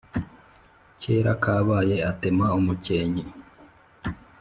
kera kabaye atema umukenke